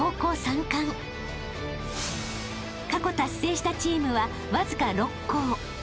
［過去達成したチームはわずか６校］